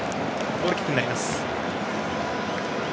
ゴールキックになります。